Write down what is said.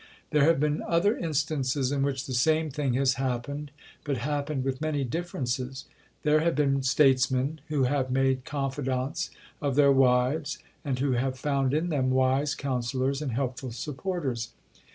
There have been other instances in which the same thing has happened, but happened with many differences. There have been statesmen who have made confidantes of their wives, and who have found in them wise counsellors and helpful supporters.